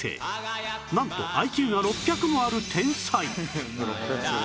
なんと ＩＱ が６００もある天才